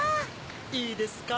いいですか？